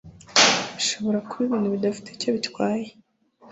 bishobora kuba ibintu bidafite icyo bitwaye